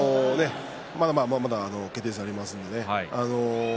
まだまだ決定戦がありますんで。